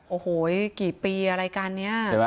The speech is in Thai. โอ้โหกี่ปีอะไรการนี้